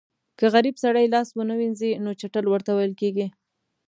که غریب سړی لاس ونه وینځي نو چټل ورته ویل کېږي.